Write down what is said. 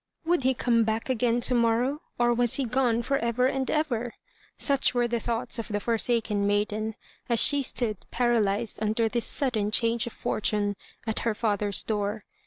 Would he come back again to mor row, or was he gone for ever and ever ? Such were the thoughts of the forsaken maiden,, as she stood, paralysed under this sudden change of fortune, at her father's door.